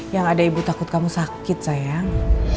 yang ada ibu takut kamu sakit sayang